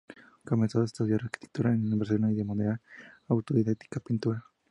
Comenzó a estudiar arquitectura en Barcelona y de manera autodidacta pintura.